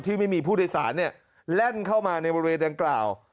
ไม่มีผู้โดยสารแล่นเข้ามาในบริเวณดังกล่าว